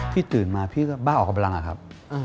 ตื่นมาพี่ก็บ้าออกกำลังอะครับ